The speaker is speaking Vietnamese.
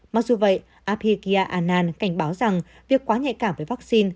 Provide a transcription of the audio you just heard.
mặc dù vậy abiyagia anand cảnh báo rằng việc quá nhạy cảm với vaccine